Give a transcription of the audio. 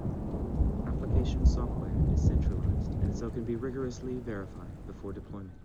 Application software is centralized and so can be rigorously verified before deployment.